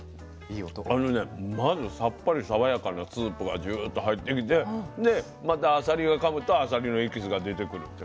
あのねまずさっぱり爽やかなスープがジューッと入ってきてでまたあさりをかむとあさりのエキスが出てくるって感じ。